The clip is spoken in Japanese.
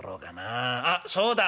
あっそうだ。